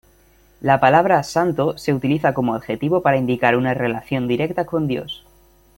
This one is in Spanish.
La palabra "santo" se utiliza como adjetivo para indicar una relación directa con Dios.